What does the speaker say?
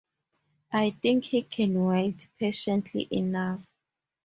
I think he can wait patiently enough.